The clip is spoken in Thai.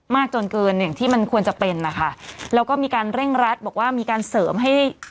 จนเกินอย่างที่มันควรจะเป็นนะคะแล้วก็มีการเร่งรัดบอกว่ามีการเสริมให้